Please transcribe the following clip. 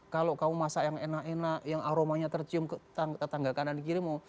kalau kamu masak yang enak enak yang aromanya tercium ke tetangga kanan kirimu